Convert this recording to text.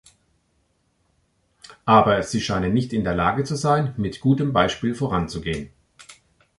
Aber sie scheinen nicht in der Lage zu sein, mit gutem Beispiel voranzugehen.